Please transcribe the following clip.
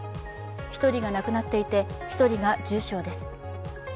１人が亡くなっていて１人が重傷です。